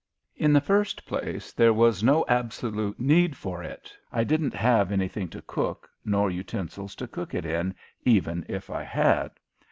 In the first place, there was no absolute need for it. I didn't have anything to cook, nor utensils to cook it in even if I had.